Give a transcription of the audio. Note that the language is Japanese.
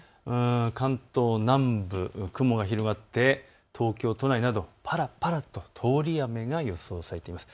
関東南部、雲が広がって東京都内などパラパラと通り雨が予想されています。